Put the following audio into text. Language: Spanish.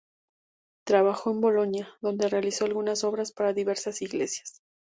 Trabajó en Bolonia, donde realizó algunas obras para diversas iglesias.